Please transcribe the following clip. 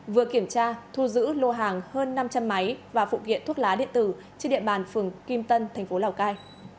vừa kiểm tra thu giữ lô hàng hơn năm trăm linh máy và phụ kiện thuốc lá điện tử trên địa bàn phường kim tân thành phố lào cai